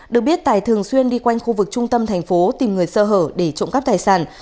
được biết tài thường xuyên đi quanh khu vực trung tâm thành phố tìm người sơ hở để trộm cắp tài sản